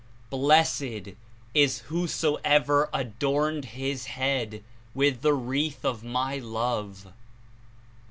Blessed is whosoever adorned his head with the wreath of My Love."